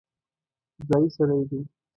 ځايي سړی دی.